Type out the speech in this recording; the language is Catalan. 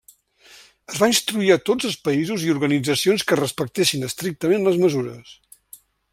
Es va instruir a tots els països i organitzacions que respectessin estrictament les mesures.